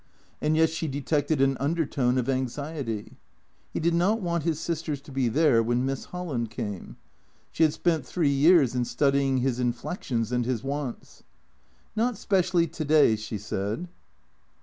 And yet she detected an undertone of anxiety. He did not want his sisters to be there when Miss Holland came. She had spent three years in studying his inflections and his wants. " Not specially to day," she said.